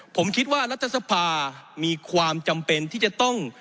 ผมคิดว่ารัฐสภามีความจำเป็นที่จะต้อง